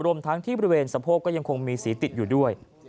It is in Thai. รวมทั้งที่บริเวณสะโพกก็ยังคงมีสีติดอยู่ด้วย